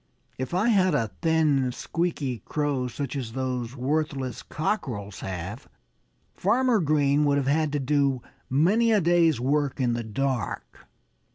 "If I had a thin, squeaky crow such as those worthless cockerels have, Farmer Green would have had to do many a day's work in the dark."